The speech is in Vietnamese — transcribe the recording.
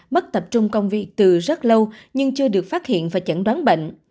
mất tập trung công việc từ rất lâu nhưng chưa được phát hiện và chẩn đoán bệnh